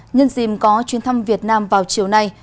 nhân dìm có chuyến thăm việt nam vào chiều nay